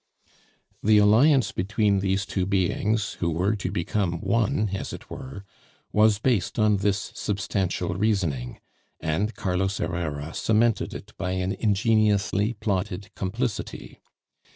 The alliance between these two beings, who were to become one, as it were, was based on this substantial reasoning, and Carlos Herrera cemented it by an ingeniously plotted complicity.